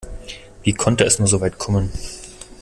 Wie konnte es nur so weit kommen?